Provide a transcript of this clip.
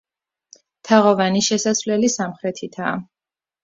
თაღოვანი შესასვლელი სამხრეთითაა.